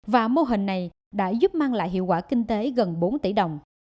và mô hình này đã giúp mang lại hiệu quả kinh tế gần bốn tỷ đồng